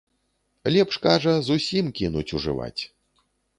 Лепш, кажа, зусім кінуць ужываць.